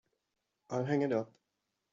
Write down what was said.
I'll hang it up.